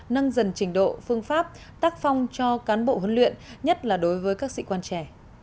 nâng dần trình độ phương pháp tác phong cho cán bộ huấn luyện nhất là đối với các sĩ quan trẻ